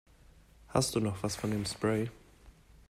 Hast du noch was von dem Spray?